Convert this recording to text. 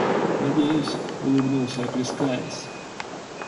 — Надеюсь, — улыбнулся я, плескаясь.